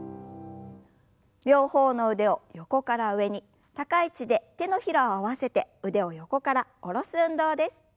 両方の腕を横から上に高い位置で手のひらを合わせて腕を横から下ろす運動です。